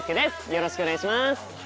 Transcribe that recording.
よろしくお願いします。